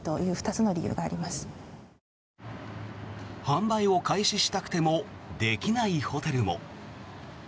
販売を開始したくてもできないホテルも。